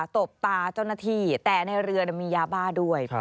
ตบตาเจ้าหน้าที่แต่ในเรือมียาบ้าด้วย